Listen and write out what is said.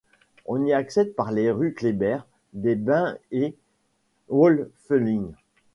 On y accède par les rues Kléber, des Bains et Woelfelin.